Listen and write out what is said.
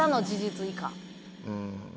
うん。